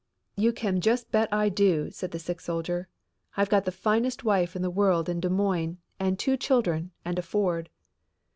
"You can just bet I do," said the sick soldier, "I've got the finest wife in the world in Des Moines and two children and a Ford."